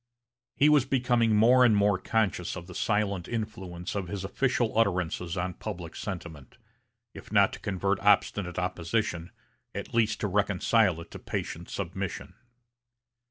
He was becoming more and more conscious of the silent influence of his official utterances on public sentiment, if not to convert obstinate opposition, at least to reconcile it to patient submission.